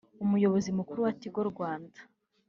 Umuyobozi mukuru wa Tigo Rwanda